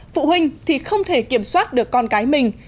phụ huynh thì không thể kiểm soát được con cái mình